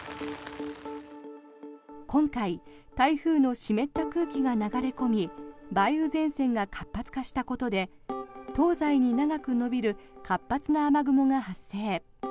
今回、台風の湿った空気が流れ込み梅雨前線が活発化したことで東西に長く延びる活発な雨雲が発生。